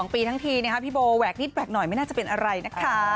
๒ปีทั้งทีพี่โบแหวกนิดแหวกหน่อยไม่น่าจะเป็นอะไรนะคะ